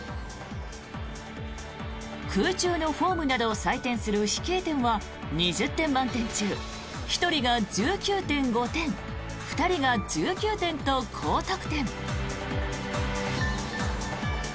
空中のフォームなどを採点する飛型点は２０点満点中、１人が１９．５点２人が１９点と高得点。